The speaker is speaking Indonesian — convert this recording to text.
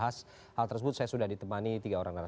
agar daya tahan tubuh anak meningkat